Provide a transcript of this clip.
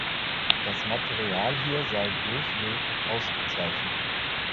Das Material hier sei durchweg ausgezeichnet.